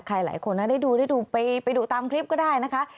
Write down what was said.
ใครหลายคนได้ดูไปดูตามคลิปก็ได้นะคะ